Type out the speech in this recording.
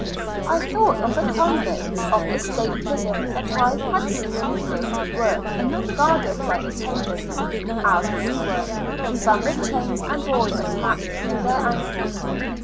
I thought of the convicts of a State pri son that I had seen in the fields at work, guarded by attendants, as we were, some with chain and ball attached to their ankles.